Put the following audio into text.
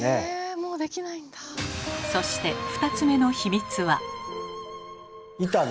そして２つ目の秘密は。